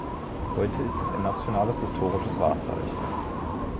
Heute ist es ein nationales historisches Wahrzeichen.